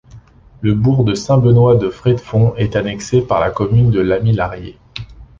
Le bourg de Saint-Benoît-de-Frédefont est annexé par la commune de Lamillarié.